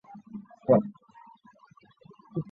戈达德在液体火箭的研究上取得过很多开创性成果。